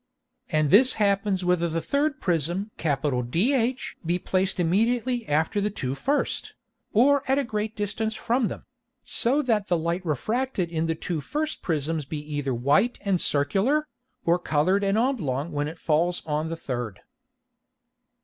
And this happens whether the third Prism DH be placed immediately after the two first, or at a great distance from them, so that the Light refracted in the two first Prisms be either white and circular, or coloured and oblong when it falls on the third.